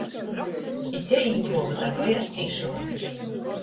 Itei īpruova dorbojās cīši labi.